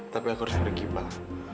tapi aku harus pergi pak